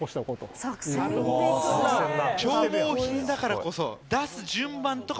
だからこそ。